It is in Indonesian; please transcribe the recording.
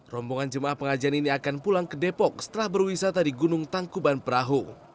rombongan jemaah pengajian ini akan pulang ke depok setelah berwisata di gunung tangkuban perahu